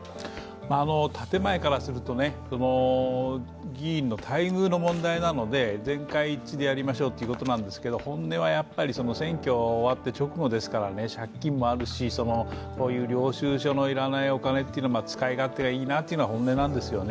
建て前からすると、議員の待遇の問題なので全会一致でやりましょうということなんでしょうけど本音はやっぱり選挙終わって直後ですから借金もあるし、領収書の要らないお金は使い勝手がいいなというのが本音なんですよね。